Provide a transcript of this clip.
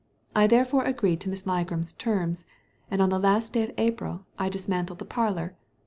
I therefore agreed to Miss Ligram's terms, and on the last day of April I dismantled the parlour.